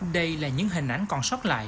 đây là những hình ảnh còn sóc lại